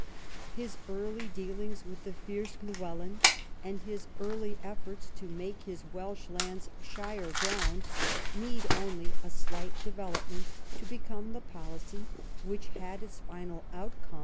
His early dealings with the fierce Llywelyn and his early efforts to make his Welsh lands shire ground need only a slight develop ment to become the policy which had its final outcome CHAP.